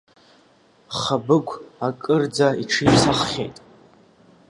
Хабыгә акырӡа иҽиԥсаххьеит.